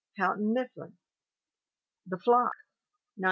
Houghton Mifflin. The Flock, 1906.